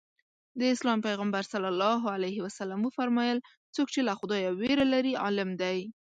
د اسلام پیغمبر ص وفرمایل څوک چې له خدایه وېره لري عالم دی.